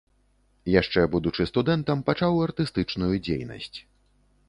Яшчэ будучы студэнтам, пачаў артыстычную дзейнасць.